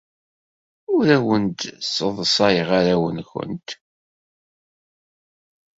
Ur awent-d-sseḍsayeɣ arraw-nwent.